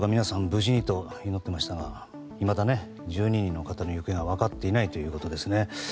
無事でと祈っていましたがいまだ１２人の方の行方が分かっていないということです。